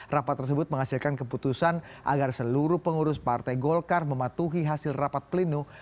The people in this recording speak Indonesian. rapat tersebut menghasilkan keputusan agar seluruh pengurus partai golkar mematuhi hasil rapat pelindung